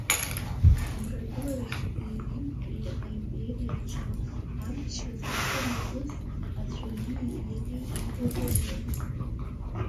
Амрагыларахьтәи Римтәи аимпериаҿы амчра знапы иакыз аӡәырҩи иареи еибадыруан.